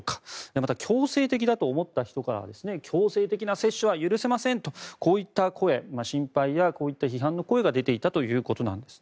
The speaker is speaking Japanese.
また、強制的だと思った人からは強制的な接種は許せませんとこういった声心配やこういった批判の声が出ていたということです。